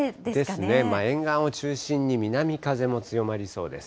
ですね、沿岸を中心に南風も強まりそうです。